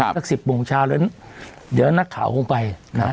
มักสิบโมงชาวเดี๋ยวนักข่าวลงไป